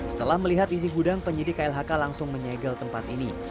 setelah melihat isi gudang penyidik klhk langsung menyegel tempat ini